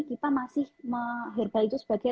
kita masih herbal itu sebagai